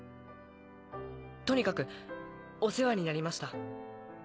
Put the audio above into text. とにかくお世話になりました。